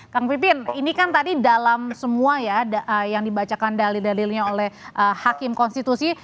kang pipin ini kan tadi dalam semua ya yang dibacakan dalil dalilnya oleh hakim konstitusi